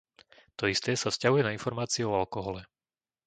To isté sa vzťahuje na informácie o alkohole.